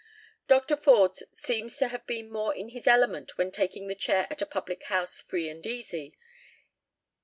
" Dr. Forde seems to have been more in his element when taking the chair at a public house 'free and easy.'